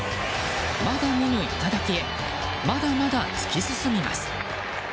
まだ見ぬ頂へまだまだ突き進みます。